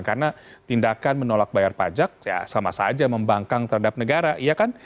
karena tindakan menolak bayar pajak ya sama saja membangkang terhadap negara iya kan